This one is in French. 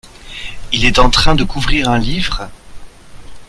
Il est en train de couvrir un livre ?